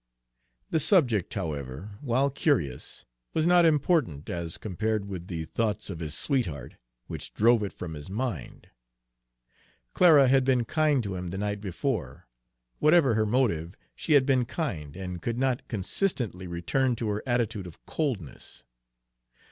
The subject, however, while curious, was not important as compared with the thoughts of his sweetheart which drove it from his mind. Clara had been kind to him the night before, whatever her motive, she had been kind, and could not consistently return to her attitude of coldness.